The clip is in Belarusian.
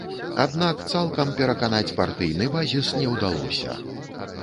Аднак цалкам пераканаць партыйны базіс не ўдалося.